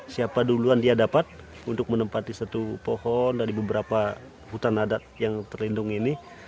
siapa duluan dia dapat untuk menempati satu pohon dari beberapa hutan adat yang terlindung ini